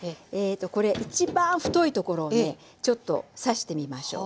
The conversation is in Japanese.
これ一番太いところをねちょっと刺してみましょう。